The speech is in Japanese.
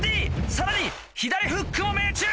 さらに左フックも命中！